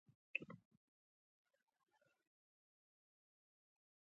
آخر ولې پیغمبر له هغه ځایه دلته راتللو.